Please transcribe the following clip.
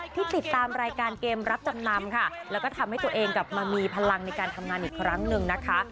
ติดตามรายการเกมรับจำนำค่ะแล้วก็ทำให้ตัวเองกลับมามีพลังในการทำงานอีกครั้งหนึ่งนะคะ